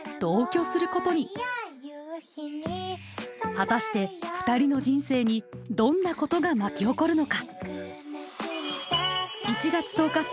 果たしてふたりの人生にどんなことが巻き起こるのか！